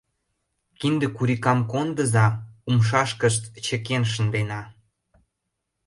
— Кинде курикам кондыза, умшашкышт чыкен шындена.